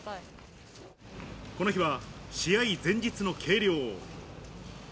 この日は試合前日の計量。